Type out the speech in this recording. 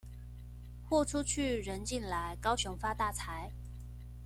貨出去、人進來，高雄發大財！